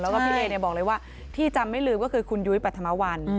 แล้วก็พี่เลบอกเลยว่าที่จำไม่ลืมก็คือคุณยุ้ยปรัฐมวัล